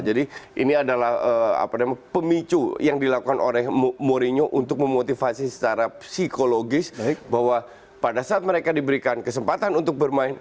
jadi ini adalah pemicu yang dilakukan oleh mourinho untuk memotivasi secara psikologis bahwa pada saat mereka diberikan kesempatan untuk bermain